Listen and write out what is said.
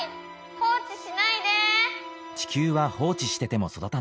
放置しないで！